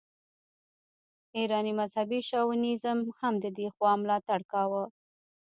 ایراني مذهبي شاونیزم هم د دې خوا ملاتړ کاوه.